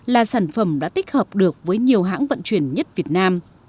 là sản phẩm đã tích hợp được với nhiều hãng vận chuyển nhất việt nam